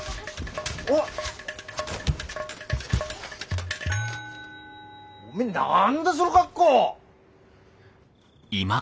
おめえ何だその格好！